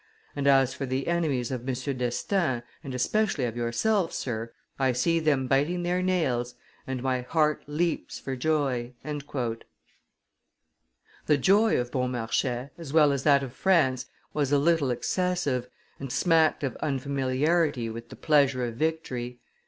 And as for the enemies of M. d'Estaing and especially of yourself, sir, I see them biting their nails, and my heart leaps for joy!" The joy of Beaumarchais, as well as that of France, was a little excessive, and smacked of unfamiliarity with the pleasure of victory.